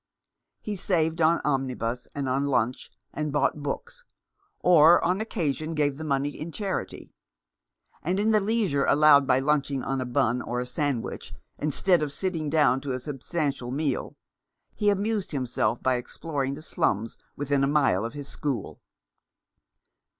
He saved on omnibus and on lunch, and bought books, or on occasion gave the money in charity ; and in the leisure allowed by lunching on a bun or a sandwich instead of sitting down to a substantial meal, he amused himself by exploring the slums within a mile of his school.